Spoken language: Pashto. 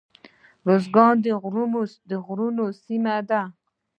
ارزګان د غرونو سیمه ده